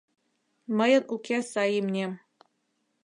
Мыйын уке сай имнем.